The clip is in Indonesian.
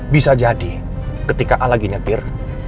bisa jadi ketika a lagi nyetir